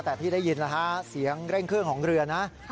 แต่ทีนี้ได้ยินเสียงเร่งเครื่องของเรือนะฮะ